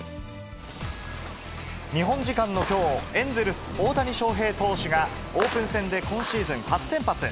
日本時間のきょう、エンゼルス、大谷翔平投手が、オープン戦で、今シーズン初先発。